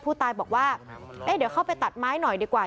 ผู้ตายบอกว่าเอ๊ะเดี๋ยวเข้าไปตัดไม้หน่อยดีกว่า